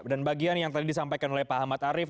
dan bagian yang tadi disampaikan oleh pak ahmad arief